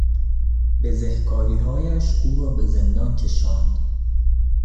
بزهکاریهایش کار او را به زندان کشاند.